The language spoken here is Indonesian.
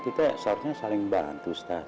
kita seharusnya saling bantu staf